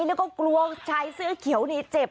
แล้วก็กลัวชายเสื้อเขียวนี่เจ็บ